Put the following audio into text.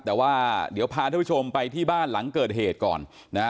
แต่ว่าเดี๋ยวพาท่านผู้ชมไปที่บ้านหลังเกิดเหตุก่อนนะฮะ